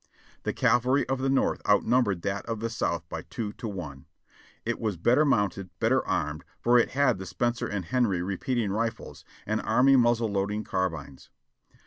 The cavalry of the North outnumbered that of the South by two to one. It was better mounted — better armed, for it had the Spencer and Henry repeating rifles, and army muzzle loading carbines.